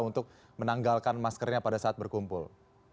untuk menanggalkan maskernya pada saat berkumpul